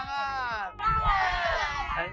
ada lagi yang terbaik